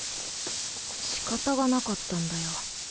仕方がなかったんだよ。